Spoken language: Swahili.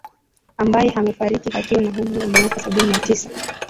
ambaye amefariki akiwa na umri wa miaka sabini na tisa